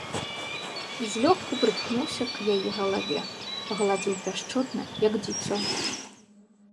Злёгку прыткнуўся к яе галаве, пагладзіў пяшчотна, як дзіцё.